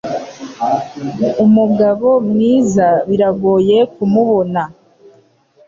Umugabo mwiza biragoye kumubona